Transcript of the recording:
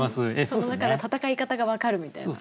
その中で戦い方が分かるみたいな。